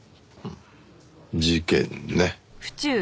事件ね。